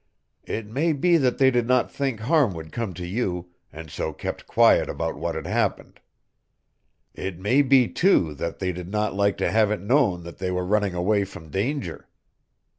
It may be that they did not think harm would come to you, and so kept quiet about what had happened. It may be, too, that they did not like to have it known that they were running away from danger.